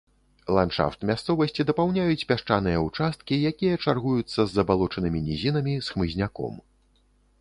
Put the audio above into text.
Ландшафт мясцовасці дапаўняюць пясчаныя ўчасткі, якія чаргуюцца з забалочанымі нізінамі з хмызняком.